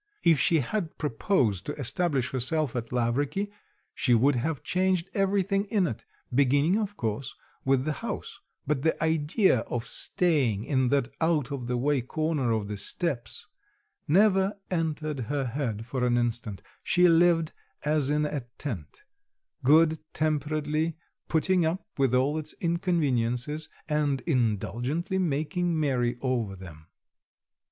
If she had proposed to establish herself at Lavriky, she would have changed everything in it, beginning of course with the house; but the idea of staying in that out of the way corner of the steppes never entered her head for an instant; she lived as in a tent, good temperedly putting up with all its inconveniences, and indulgently making merry over them.